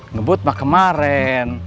ngebut mah kemaren